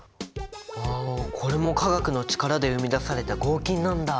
ああこれも化学の力で生み出された合金なんだ。